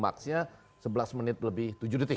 maksudnya sebelas menit lebih tujuh detik